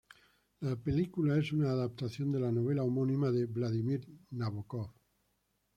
La película es una adaptación de la novela homónima de Vladimir Nabokov.